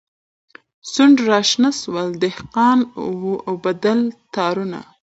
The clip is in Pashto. سونډ راشنه سول دهقان و اوبدل تارونه